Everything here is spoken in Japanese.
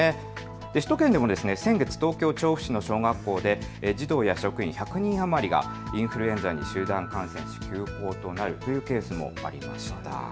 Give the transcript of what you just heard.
首都圏でも先月、東京調布市の小学校で児童や職員１００人余りがインフルエンザに集団感染し休校となるケースもありました。